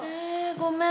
ごめん。